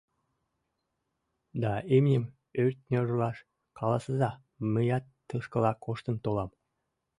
Да имньым ӧртньӧрлаш каласыза — мыят тушкыла коштын толам.